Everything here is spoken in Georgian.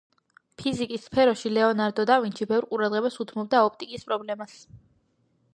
ფიზიკის სფეროში ლეონარდო და ვინჩი ბევრ ყურადღებას უთმობდა ოპტიკის პრობლემებს.